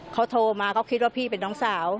เขาโทรมาเขาคิดว่าพี่เป็นน้องสาว